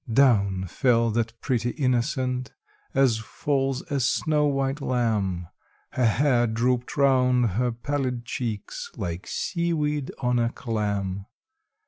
Down fell that pretty innocent, as falls a snow white lamb, Her hair drooped round her pallid cheeks, like sea weed on a clam.